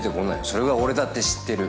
それは俺だって知ってる。